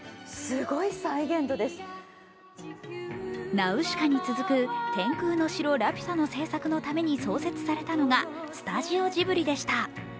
「ナウシカ」に続く「天空の城ラピュタ」の制作のために創設されたのがスタジオジブリでした。